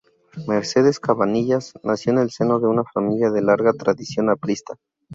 Mercedes Cabanillas nació en el seno de una familia de larga tradición aprista.